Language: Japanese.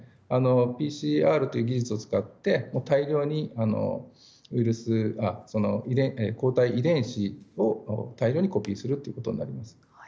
ＰＣＲという技術を使って大量に抗体遺伝子を大量にコピーすることになります。